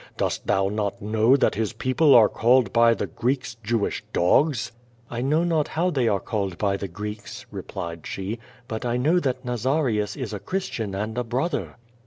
Dost thou not know that his people are called by the Greeks Jewish dogs?" "I know not how they are called by the Greeks," replied she; "but I know that Nazarius is a Christian and a brother."